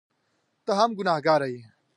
ته هم ګنهکاره یې !